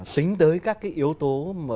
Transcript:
tính tới các cái yếu tố